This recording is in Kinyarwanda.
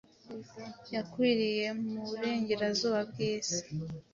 yakwiriye muburengerazuba bwisi